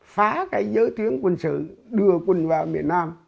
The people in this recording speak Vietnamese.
phá cái giới tuyến quân sự đưa quân vào miền nam